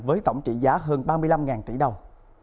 với tổng trị giá hơn ba mươi năm tỷ đồng